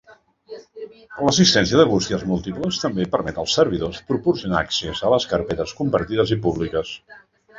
L'assistència de bústies múltiples també permet als servidors proporcionar accés a les carpetes compartides i públiques.